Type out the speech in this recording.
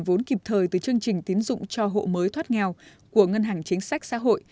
thì không có kịp thời từ chương trình tiến dụng cho hộ mới thoát nghèo của ngân hàng chính sách xã hội